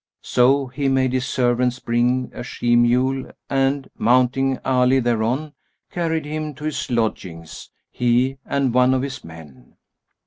So he made his servants bring a she mule and, mounting Ali thereon, carried him to his lodgings, he and one of his men.